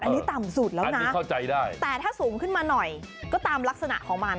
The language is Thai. อันนี้ต่ำสุดแล้วนะแต่ถ้าสูงขึ้นมาหน่อยก็ตามลักษณะของมัน